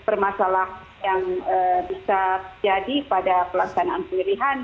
permasalahan yang bisa jadi pada pelaksanaan pilihan